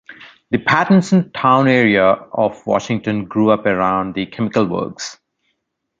The Pattinson Town area of Washington grew up around the chemical works.